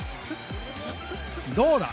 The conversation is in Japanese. どうだ。